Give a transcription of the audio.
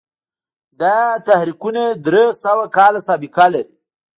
دا تحریکونه درې سوه کاله سابقه لري.